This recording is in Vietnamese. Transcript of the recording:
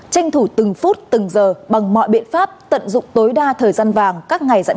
tranh thủ từng phút từng giờ bằng mọi biện pháp tận dụng tối đa thời gian vàng các ngày dẫn